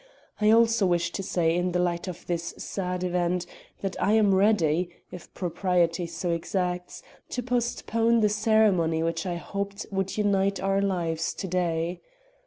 I also wish to say in the light of this sad event, that I am ready, if propriety so exacts, to postpone the ceremony which I hoped would unite our lives to day.